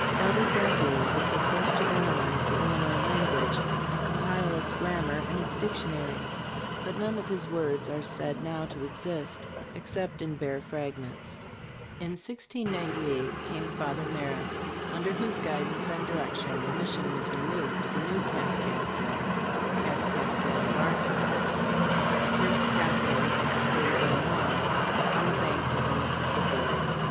Father Gravier was the first to analyze the Illinois language and compile its grammar and its dictionary, but none of his works are said now to exist except in bare fragments. In 1698 came Father Marest, under whose guidance and direction the mission was removed to the new Kaskaskia (the Kaskaskia of our time the first capital of the state of Illinois), on the banks of the Mississippi.